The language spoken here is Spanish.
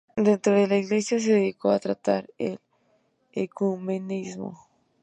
Dentro de la Iglesia, se dedicó a tratar el ecumenismo.